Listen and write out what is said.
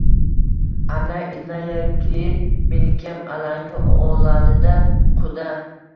Аna, innakeyin menikiyam alanga oladi-da, quda!